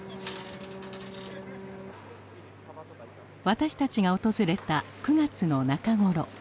私たちが訪れた９月の中頃。